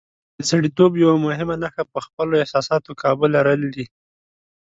د سړیتوب یوه مهمه نښه په خپلو احساساتو قابو لرل دي.